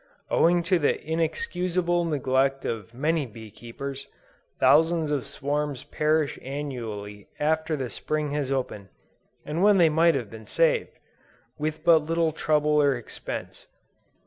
Owing to the inexcusable neglect of many bee keepers, thousands of swarms perish annually after the Spring has opened, and when they might have been saved, with but little trouble or expense.